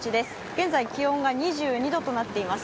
現在気温が２２度となっています。